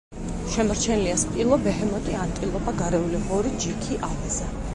შემორჩენილია სპილო, ბეჰემოთი, ანტილოპა, გარეული ღორი, ჯიქი, ავაზა.